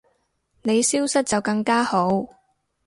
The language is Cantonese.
你消失就更加好